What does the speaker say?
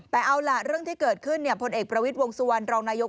แต่เอาล่ะเรื่องที่เกิดขึ้นพลเอกประวิทย์วงสุวรรณรองนายก